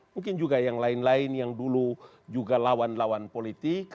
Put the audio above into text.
mungkin juga yang lain lain yang dulu juga lawan lawan politik